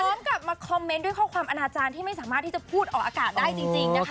พร้อมกับมาคอมเมนต์ด้วยข้อความอนาจารย์ที่ไม่สามารถที่จะพูดออกอากาศได้จริงนะคะ